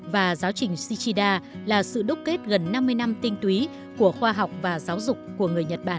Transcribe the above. và giáo trình shichida là sự đúc kết gần năm mươi năm tinh túy của khoa học và giáo dục của người nhật bản